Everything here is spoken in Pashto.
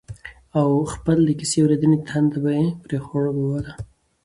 او خپل د کيسې اورېدنې تنده به يې پرې خړوبوله